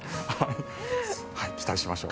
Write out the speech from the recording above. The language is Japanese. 期待しましょう。